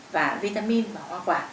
và vitamin và hoa quả